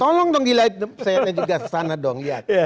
tolong dong di layar pesanannya juga di sana dong